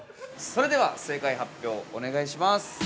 ◆それでは、正解発表お願いします。